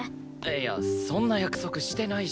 いやそんな約束してないし。